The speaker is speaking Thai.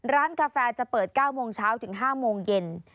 กาแฟจะเปิด๙โมงเช้าถึง๕โมงเย็น